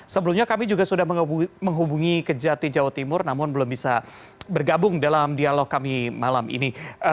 sebelumnya kami juga sudah menghubungi kejati jawa timur namun belum bisa bergabung dalam dialog kami malam ini